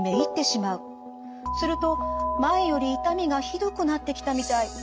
すると前より痛みがひどくなってきたみたい。